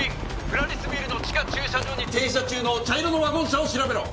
プラリスビルの地下駐車場に停車中の茶色のワゴン車を調べろ！